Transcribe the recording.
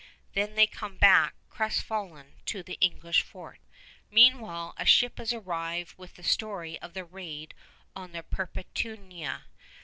Then they come back crestfallen to the English fort. Meanwhile a ship has arrived with the story of the raid on the Perpetuana.